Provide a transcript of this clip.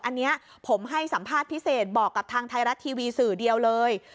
อันนี้ผมให้สัมภาษณ์พิเศษบอกกับทางไทยรัฐทีวีสื่อเดียวเลย